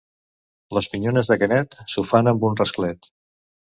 Les minyones de Canet s'ho fan amb un rasclet.